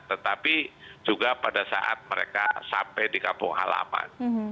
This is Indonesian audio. tetapi juga pada saat mereka sampai di kampung halaman